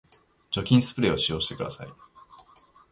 除菌スプレーを使用してください